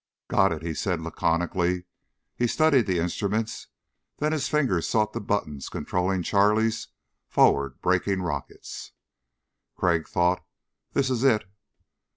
"Got it," he said laconically. He studied the instruments, then his fingers sought the buttons controlling Charlie's forward braking rockets. Crag thought: _This is it.